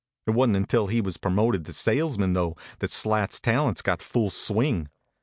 It wa n t until he was promoted to sales man, though, that Slat s talents got full swing.